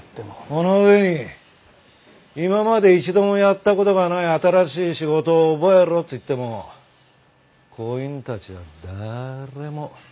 この上に今まで一度もやった事がない新しい仕事を覚えろと言っても工員たちは誰も。